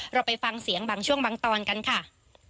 เราไปฟังเสียงบางช่วงบางตอนกันค่ะ